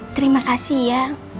terima kasih ya